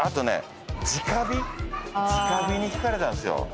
「直火」に引かれたんですよ。